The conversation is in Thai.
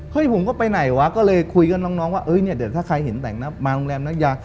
ผมก็ไปไหนวะก็เลยคุยกับน้องว่าเอ้ยเนี่ยเดี๋ยวถ้าใครเห็นแต่งมาโรงแรมนักยา